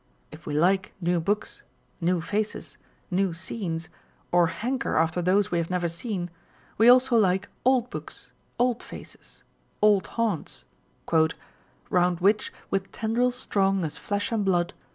If we like new books, new faces, new scenes, or hanker after those we have never seen, we also like old books, old faces, old haunts, Round which, with tendrils strong as flesh and blood.